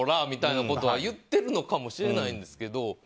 みたいなことを言っているのかもしれないんですけど。